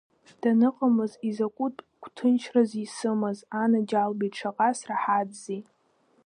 Даныҟамыз изакәытә гәҭынчрази исымаз, анаџьалбеит, шаҟа сраҳаҭзи!